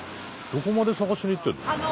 どこまで探しに行ってるの？